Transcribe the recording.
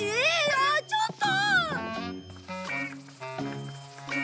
あっちょっと！